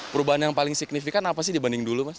perubahan yang paling signifikan apa sih dibanding dulu mas